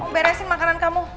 beresin makanan kamu